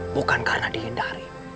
bukan karena dihindari